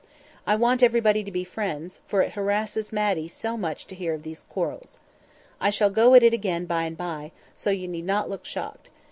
I want everybody to be friends, for it harasses Matty so much to hear of these quarrels. I shall go at it again by and by, so you need not look shocked.